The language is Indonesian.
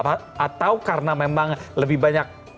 atau karena memang lebih banyak